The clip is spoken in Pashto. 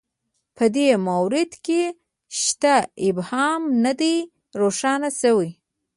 په دې مورد کې شته ابهام نه دی روښانه شوی